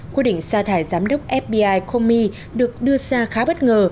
quy định xa thải giám đốc fbi comey được đưa ra khá bất ngờ